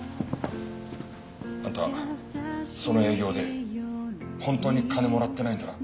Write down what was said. あんたその営業で本当に金もらってないんだな？